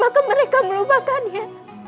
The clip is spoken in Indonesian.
apakah mereka melupakannya